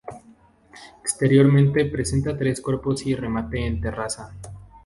Exteriormente presenta tres cuerpos y remate en terraza.